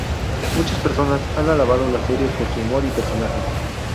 Muchas personas han alabado la serie por su humor y personajes.